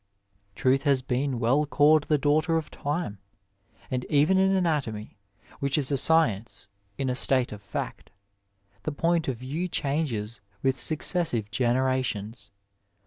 Truth has been well called the daughter of Time, and even in anatomy, which is a science in a state of fact, the point of view changes with successive generations.